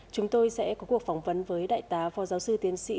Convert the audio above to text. chúng tôi sẽ có cuộc phỏng vấn với đại tá phó giáo sư tiến sĩ